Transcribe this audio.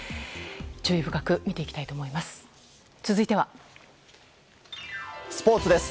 注意深く見ていきたいと思います。